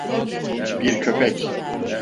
Bir köpek.